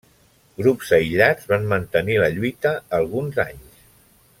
Grups aïllats van mantenir la lluita alguns anys.